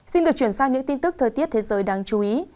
xin được chuyển sang những tin tức thời tiết thế giới đáng chú ý